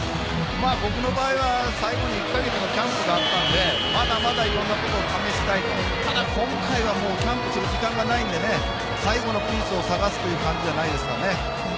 僕の場合は最後に１カ月のキャンプがあったんで、まだまだ試したいとただ今回は試す時間がないので最後のピースを探すという感じじゃないですかね。